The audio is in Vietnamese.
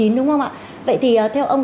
đúng không ạ vậy thì theo ông